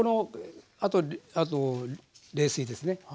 あと冷水ですね。